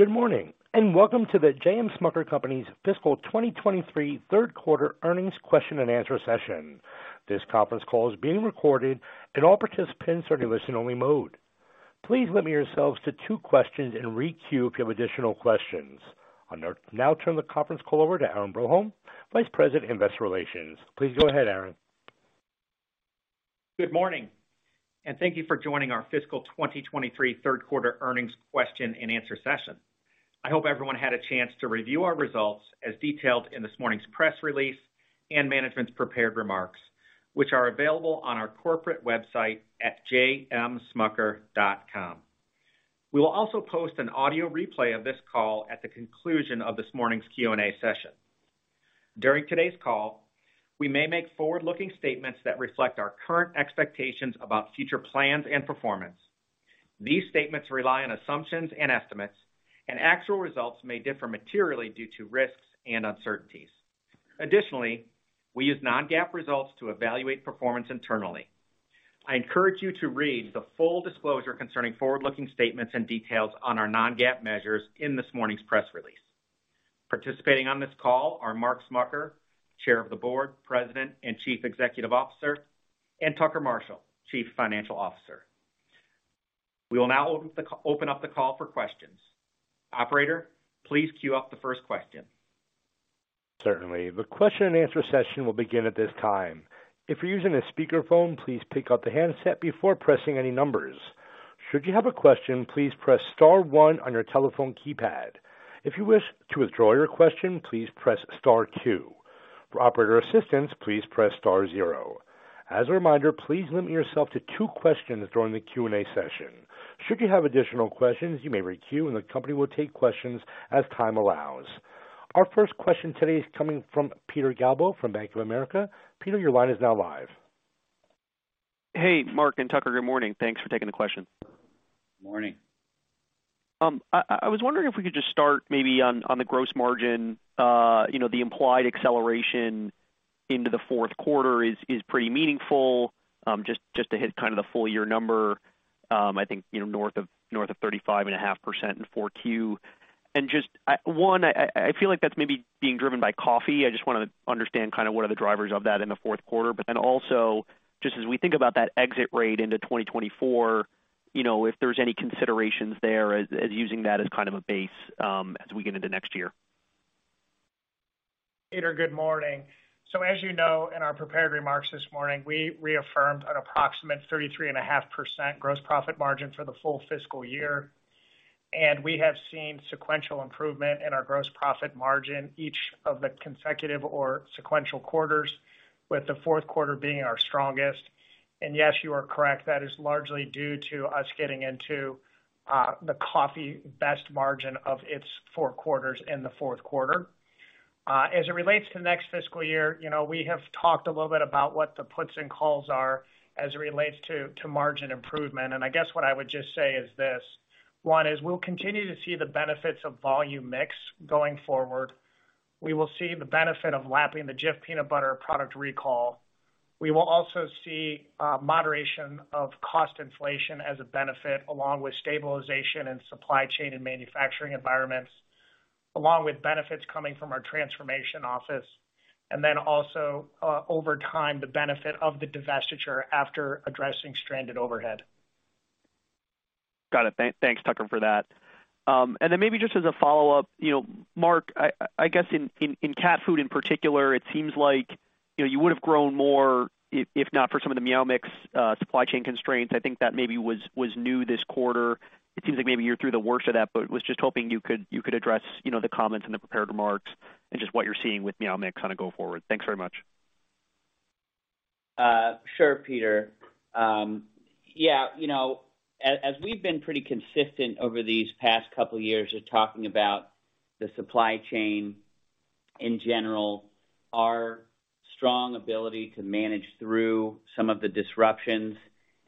Good morning, welcome to The J. M. Smucker Company's Fiscal 2023 Third Quarter Earnings Question and Answer Session. This conference call is being recorded, and all participants are in listen only mode. Please limit yourselves to two questions and re-queue if you have additional questions. I'll now turn the conference call over to Aaron Broholm, Vice President, Investor Relations. Please go ahead, Aaron. Good morning, thank you for joining our Fiscal 2023 Third Quarter Earnings Question and Answer Session. I hope everyone had a chance to review our results as detailed in this morning's press release and management's prepared remarks, which are available on our corporate website at jmsmucker.com. We will also post an audio replay of this call at the conclusion of this morning's Q&A session. During today's call, we may make forward-looking statements that reflect our current expectations about future plans and performance. These statements rely on assumptions and estimates, actual results may differ materially due to risks and uncertainties. Additionally, we use non-GAAP results to evaluate performance internally. I encourage you to read the full disclosure concerning forward-looking statements and details on our non-GAAP measures in this morning's press release. Participating on this call are Mark Smucker, Chair of the Board, President, and Chief Executive Officer, and Tucker Marshall, Chief Financial Officer. We will now open up the call for questions. Operator, please queue up the first question. Certainly. The question and answer session will begin at this time. If you're using a speakerphone, please pick up the handset before pressing any numbers. Should you have a question, please press star one on your telephone keypad. If you wish to withdraw your question, please press star two. For operator assistance, please press star zero. As a reminder, please limit yourself to two questions during the Q&A session. Should you have additional questions, you may re-queue, and the company will take questions as time allows. Our first question today is coming from Peter Galbo from Bank of America. Peter, your line is now live. Hey, Mark and Tucker. Good morning. Thanks for taking the question. Morning. I was wondering if we could just start maybe on the gross margin. You know, the implied acceleration into the fourth quarter is pretty meaningful, just to hit kind of the full year number. I think, you know, north of 35.5% in Q4. Just one, I feel like that's maybe being driven by coffee. I just wanna understand kind of what are the drivers of that in the fourth quarter, but then also just as we think about that exit rate into 2024, you know, if there's any considerations there as using that as kind of a base, as we get into next year? Peter, good morning. As you know, in our prepared remarks this morning, we reaffirmed an approximate 33.5% gross profit margin for the full fiscal year. We have seen sequential improvement in our gross profit margin each of the consecutive or sequential quarters, with the fourth quarter being our strongest. Yes, you are correct, that is largely due to us getting into the coffee best margin of its four quarters in the fourth quarter. As it relates to next fiscal year, you know, we have talked a little about what the puts and calls are as it relates to margin improvement. I guess what I would just say is this. One, is we'll continue to see the benefits of volume mix going forward. We will see the benefit of lapping the Jif peanut butter product recall. We will also see moderation of cost inflation as a benefit, along with stabilization and supply chain and manufacturing environments, along with benefits coming from our transformation office. Also, over time, the benefit of the divestiture after addressing stranded overhead. Got it. Thanks, Tucker, for that. Then maybe just as a follow-up, you know, Mark, I guess in cat food in particular, it seems like, you know, you would have grown more if not for some of the Meow Mix supply chain constraints. I think that maybe was new this quarter. It seems like maybe you're through the worst of that, but was just hoping you could address, you know, the comments and the prepared remarks and just what you're seeing with Meow Mix kinda go forward. Thanks very much. Sure, Peter. Yeah, you know, as we've been pretty consistent over these past couple years of talking about the supply chain in general, our strong ability to manage through some of the disruptions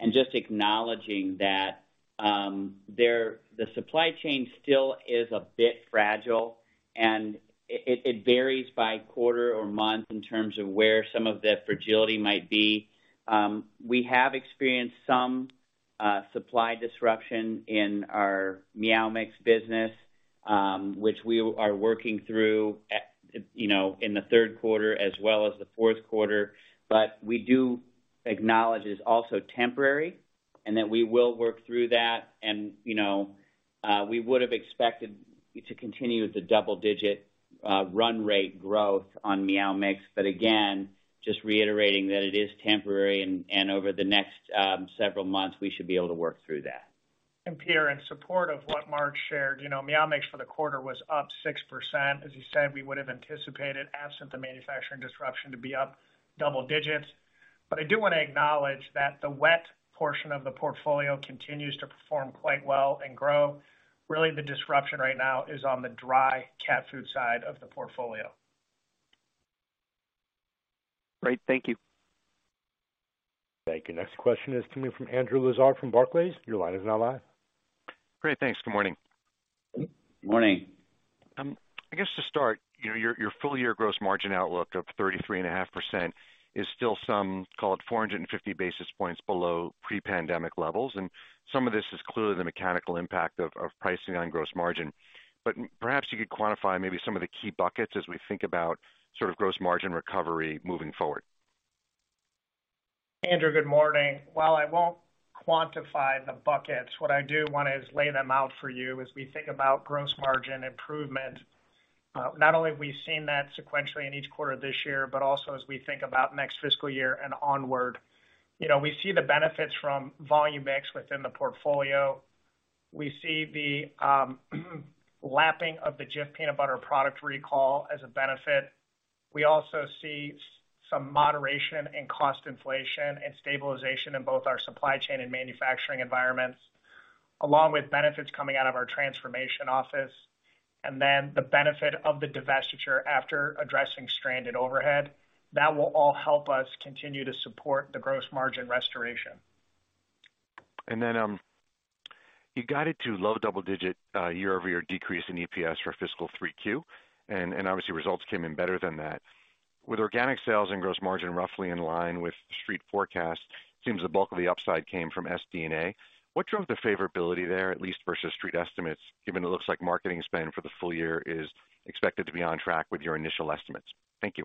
and just acknowledging that, the supply chain still is a bit fragile, and it varies by quarter or month in terms of where some of the fragility might be. We have experienced some supply disruption in our Meow Mix business, which we are working through, you know, in the third quarter as well as the fourth quarter. We do acknowledge it's also temporary, and that we will work through that. You know, we would have expected to continue with the double-digit run rate growth on Meow Mix. Again, just reiterating that it is temporary and over the next several months, we should be able to work through that. Peter, in support of what Mark shared, you know, Meow Mix for the quarter was up 6%. As you said, we would have anticipated, absent the manufacturing disruption, to be up double digits. I do wanna acknowledge that the wet portion of the portfolio continues to perform quite well and grow. The disruption right now is on the dry cat food side of the portfolio. Great. Thank you. Thank you. Next question is coming from Andrew Lazar from Barclays. Your line is now live. Great. Thanks. Good morning. Morning. I guess to start, you know, your full year gross margin outlook of 33.5% is still some, call it 450 basis points below pre-pandemic levels. Some of this is clearly the mechanical impact of pricing on gross margin. Perhaps you could quantify maybe some of the key buckets as we think about sort of gross margin recovery moving forward. Andrew, good morning. While I won't quantify the buckets, what I do wanna is lay them out for you as we think about gross margin improvement, not only have we seen that sequentially in each quarter this year, but also as we think about next fiscal year and onward. You know, we see the benefits from volume mix within the portfolio. We see the lapping of the Jif peanut butter product recall as a benefit. We also see some moderation in cost inflation and stabilization in both our supply chain and manufacturing environments, along with benefits coming out of our transformation office, and then the benefit of the divestiture after addressing stranded overhead. That will all help us continue to support the gross margin restoration. You got it to low double-digit year-over-year decrease in EPS for fiscal 3Q, and obviously results came in better than that. With organic sales and gross margin roughly in line with Street forecast, seems the bulk of the upside came from SD&A. What drove the favorability there, at least versus Street estimates, given it looks like marketing spend for the full year is expected to be on track with your initial estimates? Thank you.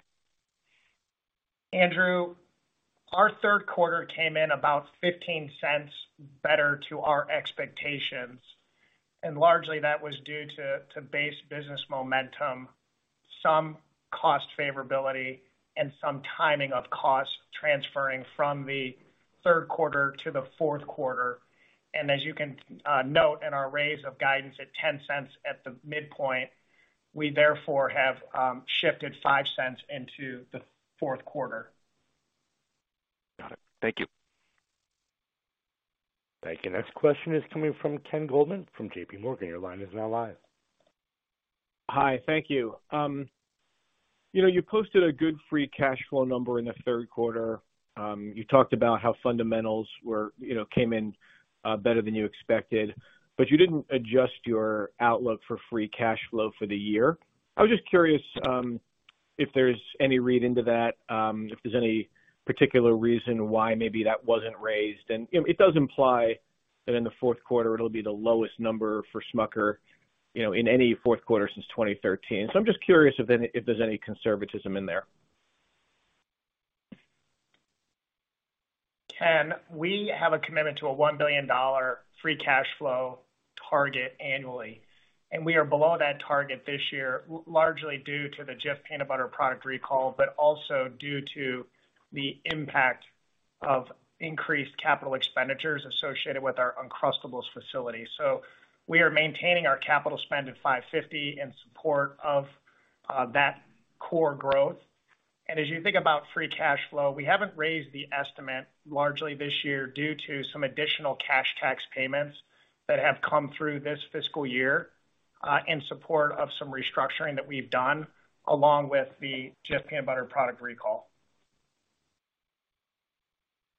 Andrew, our third quarter came in about $0.15 better to our expectations, and largely that was due to base business momentum, some cost favorability and some timing of costs transferring from the third quarter to the fourth quarter. As you can note in our raise of guidance at $0.10 at the midpoint, we therefore have shifted $0.05 into the fourth quarter. Got it. Thank you. Thank you. Next question is coming from Ken Goldman from JPMorgan. Your line is now live. Hi. Thank you. You know, you posted a good free cash flow number in the third quarter. You talked about how fundamentals were, you know, came in, better than you expected, but you didn't adjust your outlook for free cash flow for the year. I was just curious, if there's any read into that, if there's any particular reason why maybe that wasn't raised. You know, it does imply that in the fourth quarter it'll be the lowest number for Smucker, you know, in any fourth quarter since 2013. I'm just curious if there's any conservatism in there. Ken, we have a commitment to a $1 billion free cash flow target annually, We are below that target this year, largely due to the Jif peanut butter product recall, but also due to the impact of increased capital expenditures associated with our Uncrustables facility. We are maintaining our capital spend at $550 million in support of that core growth. As you think about free cash flow, we haven't raised the estimate largely this year due to some additional cash tax payments that have come through this fiscal year, in support of some restructuring that we've done, along with the Jif peanut butter product recall.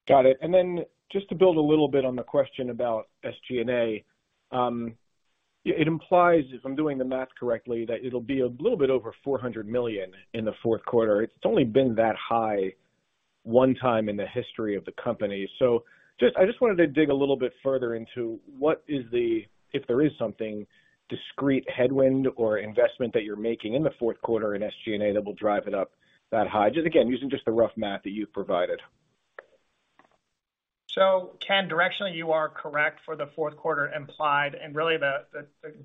Got it. Just to build a little bit on the question about SG&A, it implies, if I'm doing the math correctly, that it'll be a little bit over $400 million in the fourth quarter. It's only been that high one time in the history of the company. I just wanted to dig a little bit further into what is the, if there is something, discrete headwind or investment that you're making in the fourth quarter in SG&A that will drive it up that high. Just again, using just the rough math that you've provided. Ken, directionally, you are correct for the fourth quarter implied and really the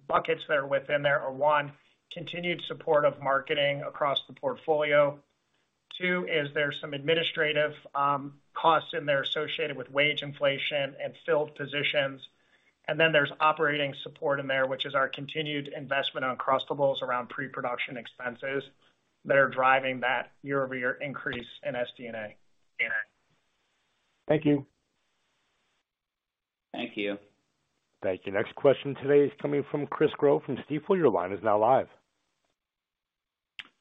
buckets that are within there are, one, continued support of marketing across the portfolio. Two, is there some administrative costs in there associated with wage inflation and filled positions. There's operating support in there, which is our continued investment on Uncrustables around pre-production expenses that are driving that year-over-year increase in SD&A. Thank you. Thank you. Thank you. Next question today is coming from Christopher Growe from Stifel. Your line is now live.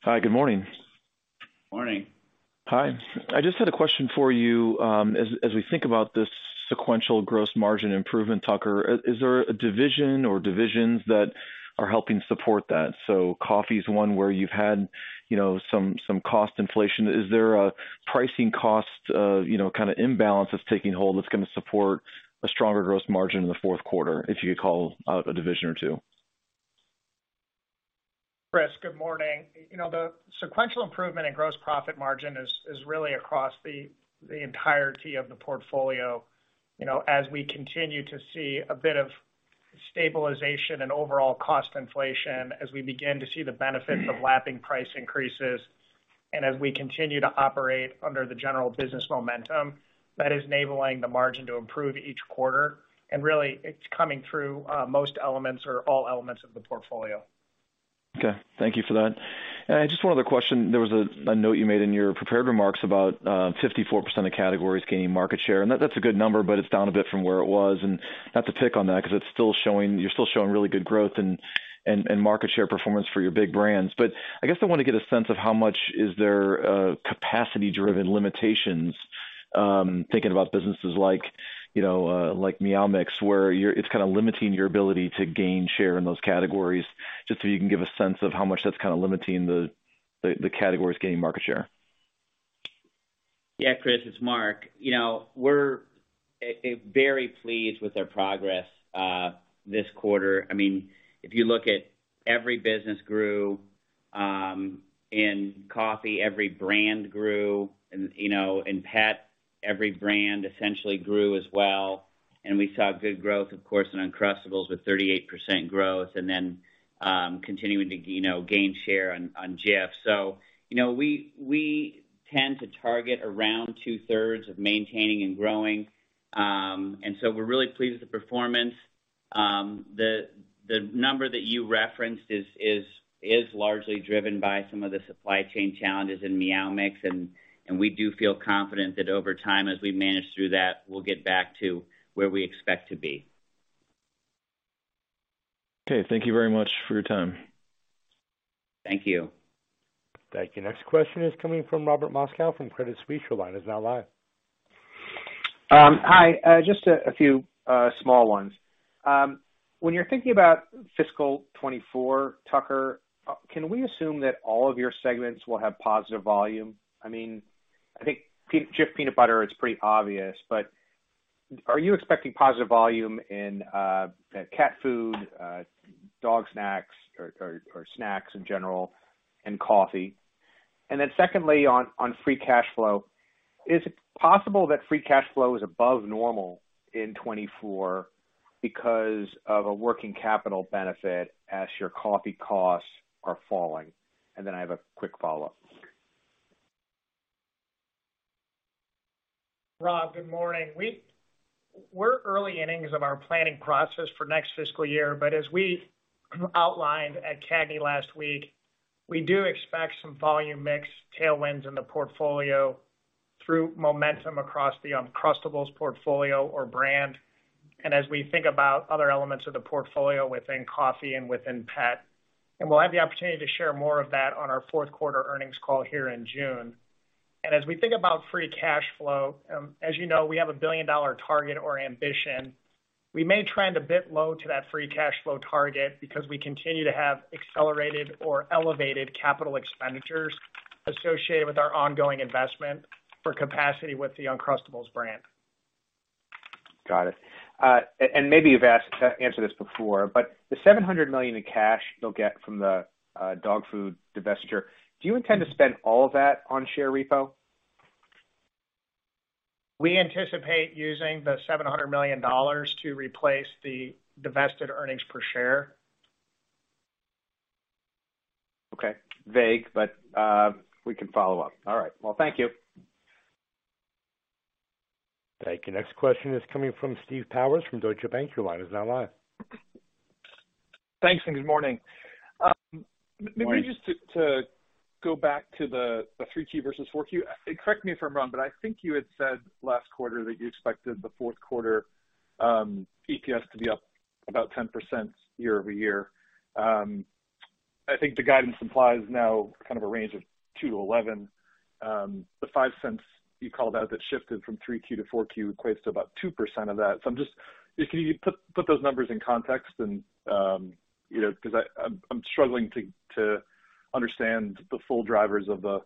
Hi, good morning. Morning. Hi. I just had a question for you, as we think about this sequential gross margin improvement, Tucker, is there a division or divisions that are helping support that? Coffee's one where you've had, you know, some cost inflation. Is there a pricing cost, you know, kind of imbalance that's taking hold that's gonna support a stronger gross margin in the fourth quarter, if you could call out a division or two? Chris, good morning. You know, the sequential improvement in gross profit margin is really across the entirety of the portfolio. You know, as we continue to see a bit of stabilization and overall cost inflation, as we begin to see the benefit of lapping price increases, and as we continue to operate under the general business momentum, that is enabling the margin to improve each quarter. Really it's coming through most elements or all elements of the portfolio. Okay. Thank you for that. Just one other question. There was a note you made in your prepared remarks about 54% of categories gaining market share, and that's a good number, but it's down a bit from where it was. Not to pick on that because you're still showing really good growth and market share performance for your big brands. I guess I want to get a sense of how much is there capacity driven limitations? Thinking about businesses like, you know, like Meow Mix, where it's kinda limiting your ability to gain share in those categories, just so you can give a sense of how much that's kinda limiting the categories gaining market share. Yeah, Chris, it's Mark. You know, we're very pleased with our progress this quarter. I mean, if you look at every business grew, in coffee, every brand grew and, you know, in pet, every brand essentially grew as well. We saw good growth, of course, in Uncrustables with 38% growth, then, you know, continuing to gain share on Jif. You know, we tend to target around 2/3 of maintaining and growing. We're really pleased with the performance. The number that you referenced is largely driven by some of the supply chain challenges in Meow Mix, and we do feel confident that over time, as we manage through that, we'll get back to where we expect to be. Okay. Thank you very much for your time. Thank you. Thank you. Next question is coming from Robert Moskow from Credit Suisse. Your line is now live. Hi. Just a few small ones. When you're thinking about fiscal 2024, Tucker, can we assume that all of your segments will have positive volume? I mean, I think Jif peanut butter, it's pretty obvious, but are you expecting positive volume in cat food, dog snacks or snacks in general and coffee? Secondly, on free cash flow, is it possible that free cash flow is above normal in 2024 because of a working capital benefit as your coffee costs are falling? I have a quick follow-up. Rob, good morning. We're early innings of our planning process for next fiscal year. But as we outlined at CAGNY last week, we do expect some volume mix tailwinds in the portfolio through momentum across the Uncrustables portfolio or brand, and as we think about other elements of the portfolio within coffee and within pet. We'll have the opportunity to share more of that on our fourth quarter earnings call here in June. As we think about free cash flow, as you know, we have a $1 billion target or ambition. We may trend a bit low to that free cash flow target because we continue to have accelerated or elevated capital expenditures associated with our ongoing investment for capacity with the Uncrustables brand. Got it. Maybe you've answered this before, but the $700 million in cash you'll get from the dog food divestiture, do you intend to spend all of that on share repo? We anticipate using the $700 million to replace the divested earnings per share. Okay. Vague, but we can follow up. All right. Well, thank you. Thank you. Next question is coming from Steve Powers from Deutsche Bank. Your line is now live. Thanks, and good morning. Morning. Maybe just to go back to the Q3 versus Q4. Correct me if I'm wrong, but I think you had said last quarter that you expected the fourth quarter EPS to be up about 10% year-over-year. I think the guidance implies now kind of a range of two to 11. The $0.05 you called out that shifted from Q3 to Q4 equates to about 2% of that. I'm just if you put those numbers in context and, you know, 'cause I'm struggling to understand the full drivers of the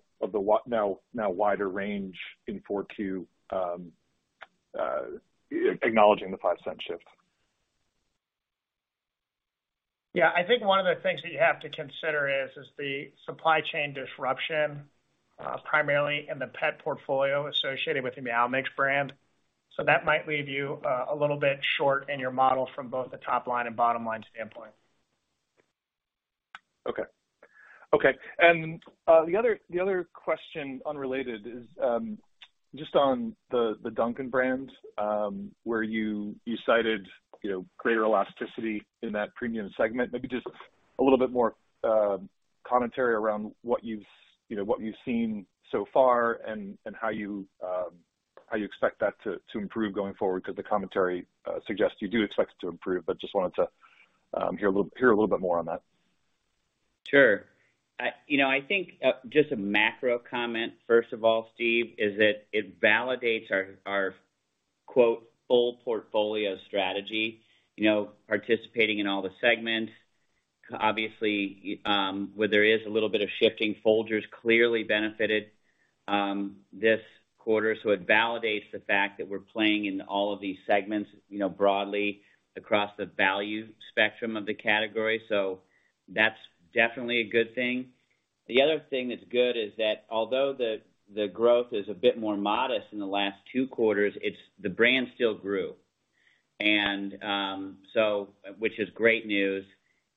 now wider range in Q4, acknowledging the $0.05 shift. Yeah. I think one of the things that you have to consider is the supply chain disruption, primarily in the pet portfolio associated with the Meow Mix brand. That might leave you a little bit short in your model from both the top line and bottom line standpoint. Okay. Okay. The other, the other question, unrelated, is just on the Dunkin' brands, where you cited, you know, greater elasticity in that premium segment. Maybe just a little bit more commentary around what you've, you know, what you've seen so far and how you expect that to improve going forward, 'cause the commentary suggests you do expect it to improve. Just wanted to hear a little bit more on that. Sure. you know, I think, just a macro comment, first of all, Steve, is that it validates our quote, "full portfolio strategy," you know, participating in all the segments. Obviously, where there is a little bit of shifting, Folgers clearly benefited, this quarter. It validates the fact that we're playing in all of these segments, you know, broadly across the value spectrum of the category. That's definitely a good thing. The other thing that's good is that although the growth is a bit more modest in the last two quarters, the brand still grew, and, so which is great news.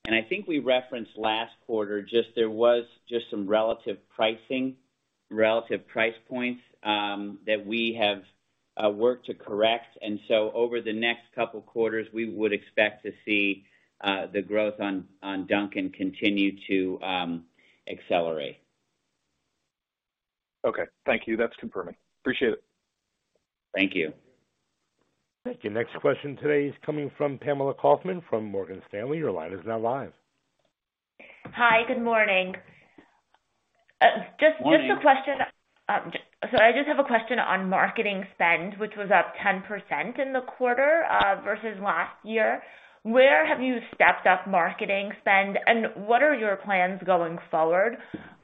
I think we referenced last quarter, just there was just some relative pricing, relative price points, that we have worked to correct. Over the next couple quarters, we would expect to see, the growth on Dunkin' continue to accelerate. Okay. Thank you. That's confirming. Appreciate it. Thank you. Thank you. Next question today is coming from Pamela Kaufman from Morgan Stanley. Your line is now live. Hi, good morning. Just a question. Morning. I just have a question on marketing spend, which was up 10% in the quarter versus last year. Where have you stepped up marketing spend, and what are your plans going forward?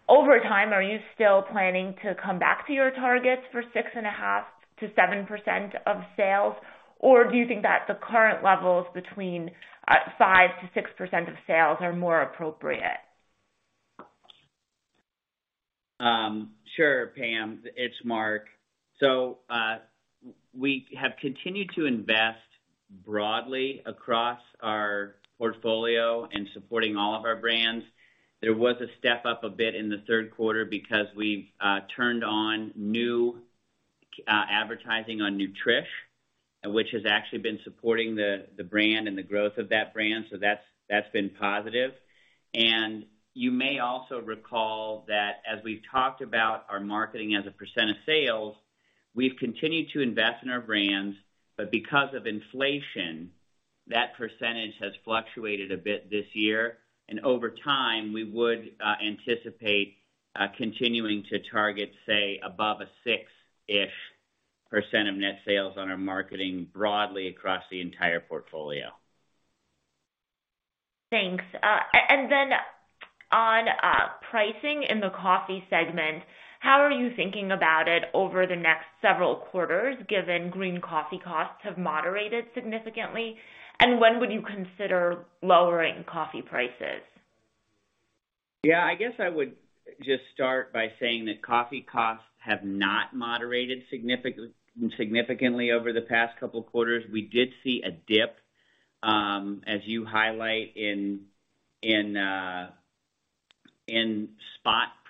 Over time, are you still planning to come back to your targets for 6.5%-7% of sales, or do you think that the current levels between 5%-6% of sales are more appropriate? Sure, Pam. It's Mark. we have continued to invest broadly across our portfolio in supporting all of our brands. There was a step up a bit in the third quarter because we've turned on new advertising on Nutrish, which has actually been supporting the brand and the growth of that brand. That's, that's been positive. You may also recall that as we've talked about our marketing as a percent of sales, we've continued to invest in our brands, but because of inflation, that percentage has fluctuated a bit this year. Over time, we would anticipate continuing to target, say, above a 6-ish% of net sales on our marketing broadly across the entire portfolio. Thanks. Then on pricing in the coffee segment, how are you thinking about it over the next several quarters, given green coffee costs have moderated significantly? When would you consider lowering coffee prices? I guess I would just start by saying that coffee costs have not moderated significantly over the past couple quarters. We did see a dip, as you highlight in spot prices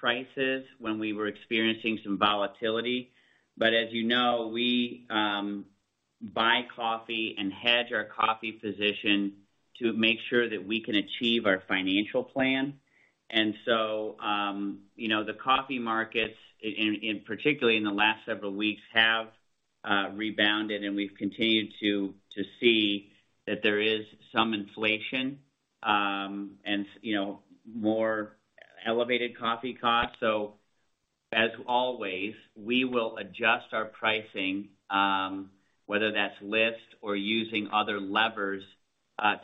when we were experiencing some volatility. As you know, we buy coffee and hedge our coffee position to make sure that we can achieve our financial plan. You know, the coffee markets in, particularly in the last several weeks, have rebounded, and we've continued to see that there is some inflation, and you know, more elevated coffee costs. As always, we will adjust our pricing, whether that's list or using other levers,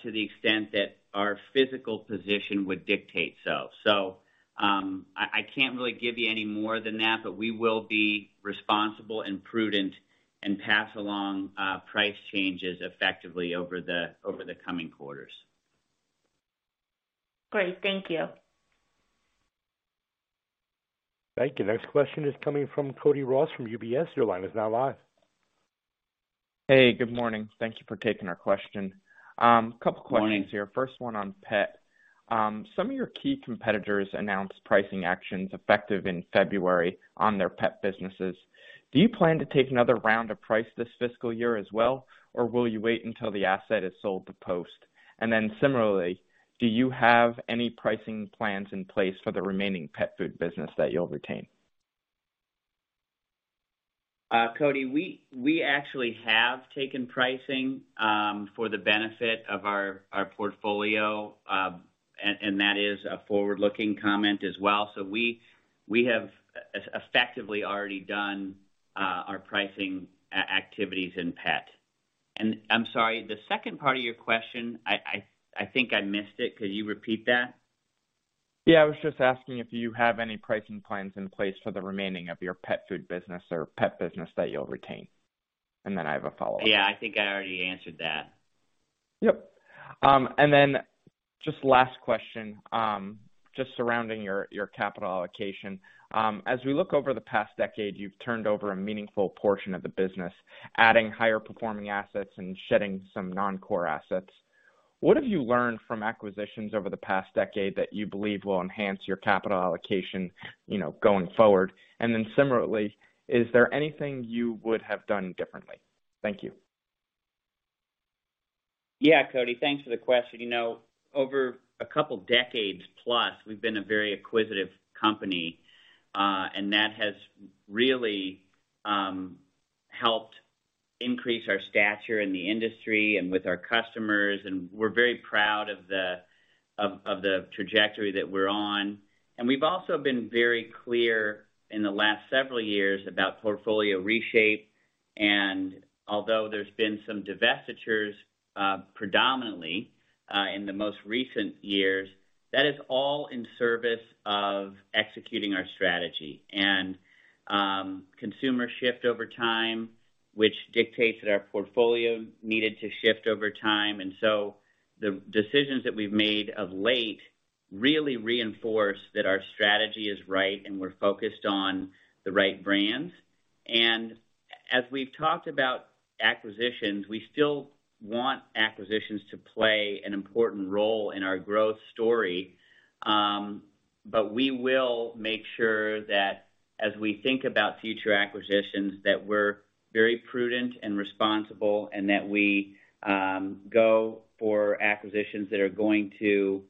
to the extent that our physical position would dictate so. I can't really give you any more than that, but we will be responsible and prudent and pass along price changes effectively over the coming quarters. Great. Thank you. Thank you. Next question is coming from Cody Ross from UBS. Your line is now live. Hey, good morning. Thank you for taking our question. A couple questions here. Morning. First one on pet. Some of your key competitors announced pricing actions effective in February on their pet businesses. Do you plan to take another round of price this fiscal year as well, or will you wait until the asset is sold to Post? Similarly, do you have any pricing plans in place for the remaining pet food business that you'll retain? Cody, we actually have taken pricing for the benefit of our portfolio, and that is a forward-looking comment as well. We have effectively already done our pricing activities in pet. I'm sorry, the second part of your question, I think I missed it. Could you repeat that? Yeah, I was just asking if you have any pricing plans in place for the remaining of your pet food business or pet business that you'll retain. I have a follow-up. Yeah, I think I already answered that. Yep. Then just last question, just surrounding your capital allocation. As we look over the past decade, you've turned over a meaningful portion of the business, adding higher performing assets and shedding some non-core assets. What have you learned from acquisitions over the past decade that you believe will enhance your capital allocation, you know, going forward? Then similarly, is there anything you would have done differently? Thank you. Yeah, Cody, thanks for the question. You know, over a couple decades plus, we've been a very acquisitive company, that has really helped increase our stature in the industry and with our customers, we're very proud of the trajectory that we're on. We've also been very clear in the last several years about portfolio reshape. Although there's been some divestitures, predominantly in the most recent years, that is all in service of executing our strategy and consumer shift over time, which dictates that our portfolio needed to shift over time. The decisions that we've made of late really reinforce that our strategy is right and we're focused on the right brands. As we've talked about acquisitions, we still want acquisitions to play an important role in our growth story. We will make sure that as we think about future acquisitions, that we're very prudent and responsible and that we go for acquisitions that are going to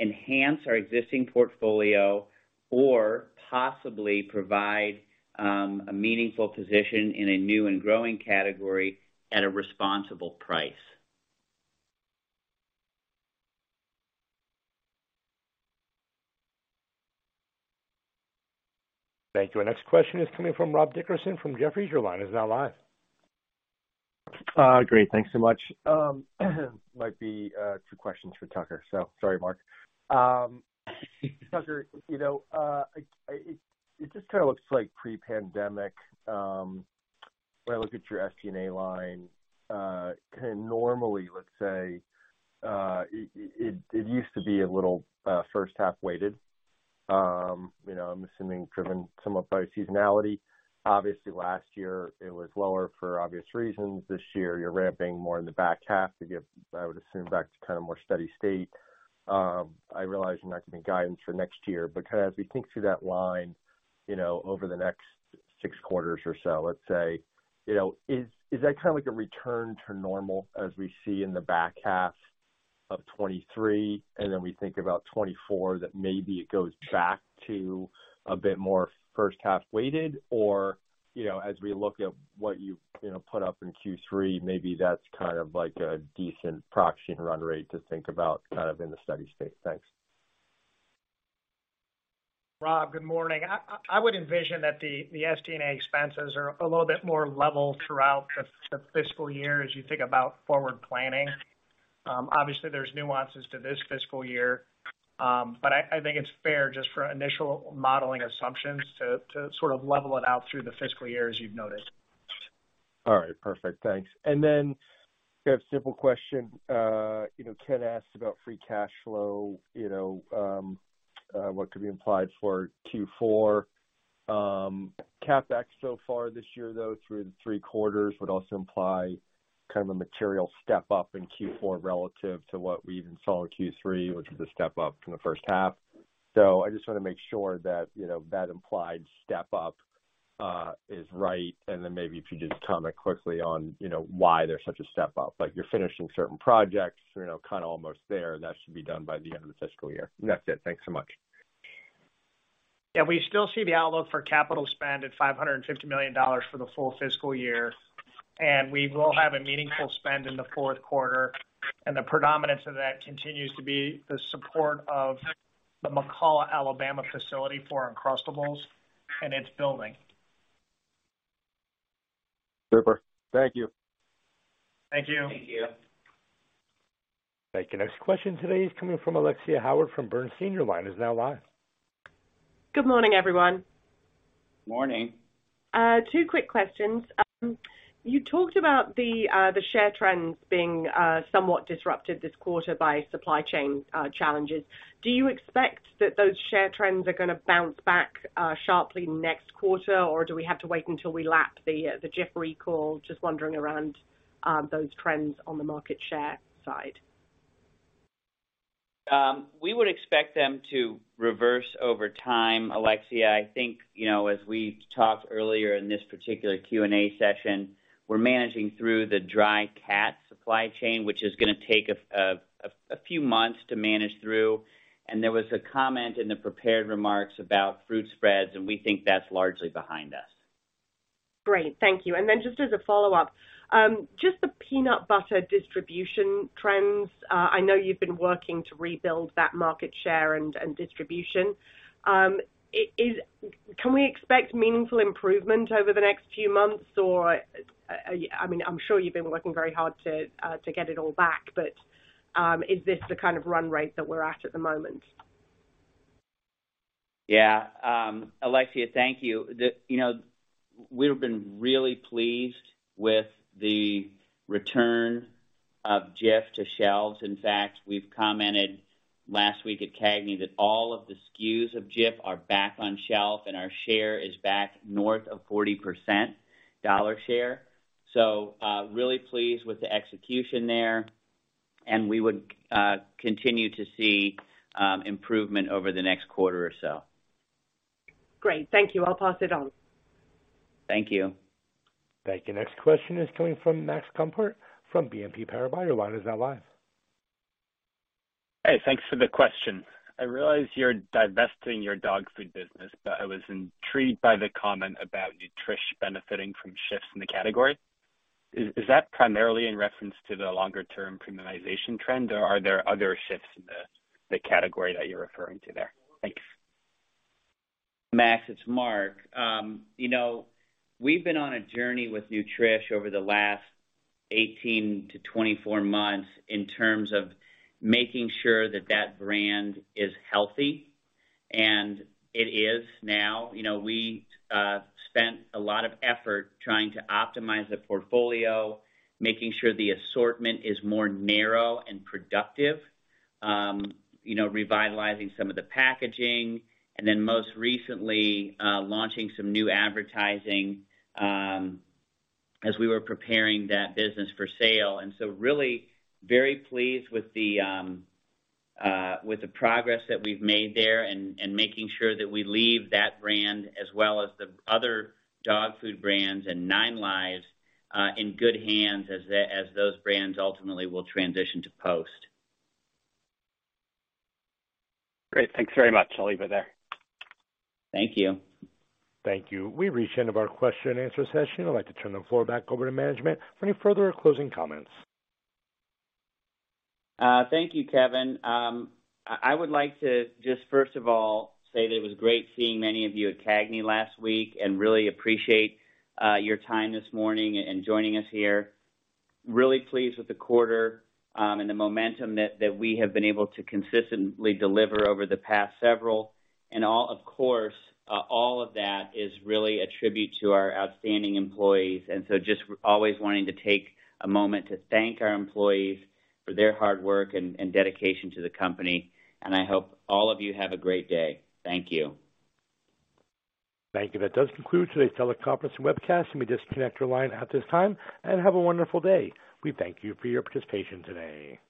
enhance our existing portfolio or possibly provide a meaningful position in a new and growing category at a responsible price. Thank you. Our next question is coming from Rob Dickerson from Jefferies. Your line is now live. Great. Thanks so much. Might be two questions for Tucker, sorry, Mark. Tucker, you know, it just kinda looks like pre-pandemic, when I look at your SG&A line, kinda normally, let's say, it used to be a little first half weighted. You know, I'm assuming driven somewhat by seasonality. Obviously, last year it was lower for obvious reasons. This year you're ramping more in the back half to get, I would assume, back to kinda more steady state. I realize you're not giving guidance for next year, but kinda as we think through that line, you know, over the next six quarters or so, let's say, you know, is that kinda like a return to normal as we see in the back half of 2023, and then we think about 2024, that maybe it goes back to a bit more first half weighted or, you know, as we look at what you know, put up in Q3, maybe that's kind of like a decent proxy run rate to think about kind of in the steady state. Thanks. Rob, good morning. I would envision that the SG&A expenses are a little bit more level throughout the fiscal year as you think about forward planning. obviously there's nuances to this fiscal year. I think it's fair just for initial modeling assumptions to sort of level it out through the fiscal year, as you've noted. All right. Perfect. Thanks. Then I have a simple question. you know, Ken asked about free cash flow, you know, what could be implied for Q4. CapEx so far this year, though, through the three quarters would also imply kind of a material step up in Q4 relative to what we even saw in Q3, which was a step up from the first half. I just wanna make sure that, you know, that implied step up is right. Then maybe if you just comment quickly on, you know, why there's such a step up, like you're finishing certain projects or, you know, kinda almost there, and that should be done by the end of the fiscal year. That's it. Thanks so much. We still see the outlook for capital spend at $550 million for the full fiscal year. We will have a meaningful spend in the fourth quarter. The predominance of that continues to be the support of the McCalla, Alabama facility for Uncrustables and its building. Super. Thank you. Thank you. Thank you. Thank you. Next question today is coming from Alexia Howard from Berenberg. Your line is now live. Good morning, everyone. Morning. Two quick questions. You talked about the share trends being somewhat disrupted this quarter by supply chain challenges. Do you expect that those share trends are gonna bounce back sharply next quarter, or do we have to wait until we lap the Jif recall? Just wondering around those trends on the market share side. We would expect them to reverse over time, Alexia. I think, you know, as we talked earlier in this particular Q&A session, we're managing through the dry cat supply chain, which is gonna take a few months to manage through. There was a comment in the prepared remarks about fruit spreads, and we think that's largely behind us. Great. Thank you. Then just as a follow-up, just the peanut butter distribution trends. I know you've been working to rebuild that market share and distribution. Can we expect meaningful improvement over the next few months? I mean, I'm sure you've been working very hard to get it all back, but, is this the kind of run rate that we're at at the moment? Yeah. Alexia, thank you. you know, we've been really pleased with the return of Jif to shelves. In fact, we've commented last week at CAGNY that all of the SKUs of Jif are back on shelf, and our share is back north of 40% dollar share. really pleased with the execution there, and we would continue to see improvement over the next quarter or so. Great. Thank you. I'll pass it on. Thank you. Thank you. Next question is coming from Max Gumport from BNP Paribas. Your line is now live. Hey, thanks for the question. I realize you're divesting your dog food business. I was intrigued by the comment about Nutrish benefiting from shifts in the category. Is that primarily in reference to the longer term premiumization trend, or are there other shifts in the category that you're referring to there? Thanks. Max, it's Mark. You know, we've been on a journey with Nutrish over the last 18-24 months in terms of making sure that that brand is healthy, and it is now. You know, we spent a lot of effort trying to optimize the portfolio, making sure the assortment is more narrow and productive, you know, revitalizing some of the packaging. Most recently, launching some new advertising as we were preparing that business for sale. Really very pleased with the progress that we've made there and making sure that we leave that brand as well as the other dog food brands and 9Lives in good hands as those brands ultimately will transition to Post. Great. Thanks very much. I'll leave it there. Thank you. Thank you. We've reached the end of our question and answer session. I'd like to turn the floor back over to management for any further closing comments. Thank you, Kevin. I would like to just first of all say that it was great seeing many of you at CAGNY last week and really appreciate your time this morning and joining us here. Really pleased with the quarter, and the momentum that we have been able to consistently deliver over the past several. Of course, all of that is really a tribute to our outstanding employees, just always wanting to take a moment to thank our employees for their hard work and dedication to the company. I hope all of you have a great day. Thank you. Thank you. That does conclude today's teleconference and webcast. You may disconnect your line at this time, and have a wonderful day. We thank you for your participation today.